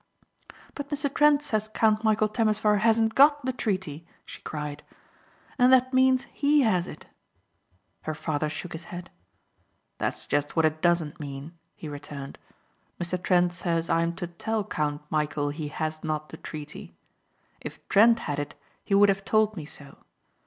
"But Mr. Trent says Count Michæl Temesvar hasn't got the treaty," she cried, "and that means he has it." Her father shook his head. "That's just what it doesn't mean," he returned. "Mr. Trent says I am to tell Count Michæl he has not the treaty. If Trent had it he would have told me so.